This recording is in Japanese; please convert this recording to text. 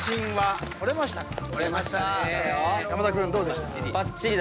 山田君どうでしたか？